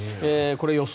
予想